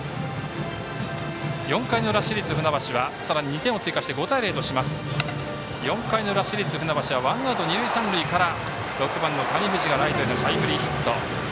４回の裏、市立船橋はさらに２点を追加して５対０とされますが４回の裏、市立船橋はワンアウト二塁三塁から６番の谷藤がライトへのタイムリーヒット。